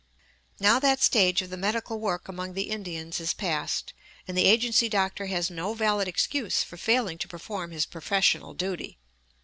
Now that stage of the medical work among the Indians is past, and the agency doctor has no valid excuse for failing to perform his professional duty.